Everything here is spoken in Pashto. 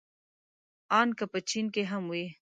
ان که په چين کې هم وي.